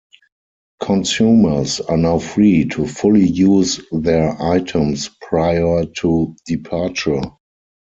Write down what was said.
Consumers are now free to fully use their items prior to departure.